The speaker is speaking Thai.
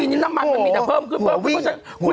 ทีนี้น้ำมันมันมีแต่เพิ่มขึ้นเพิ่มขึ้น